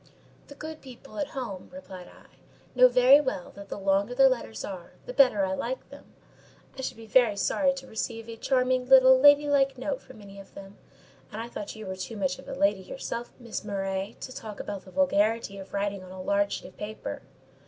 "The good people at home," replied I, "know very well that the longer their letters are, the better I like them. I should be very sorry to receive a charming little lady like note from any of them; and I thought you were too much of a lady yourself, Miss Murray, to talk about the 'vulgarity' of writing on a large sheet of paper."